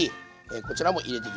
こちらも入れていきます。